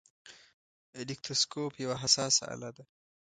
الکتروسکوپ یوه حساسه آله ده.